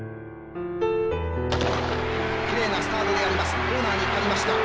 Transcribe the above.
きれいなスタートであります。